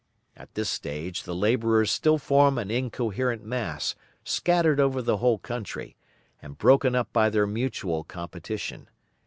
At this stage the labourers still form an incoherent mass scattered over the whole country, and broken up by their mutual competition.